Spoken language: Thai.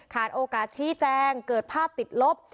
โอกาสชี้แจงเกิดภาพติดลบ